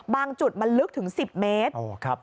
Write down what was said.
จุดมันลึกถึง๑๐เมตร